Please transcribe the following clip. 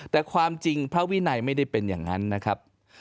แต่ความจริงพระวินัยไม่ได้เป็นอย่างนั้นนะครับ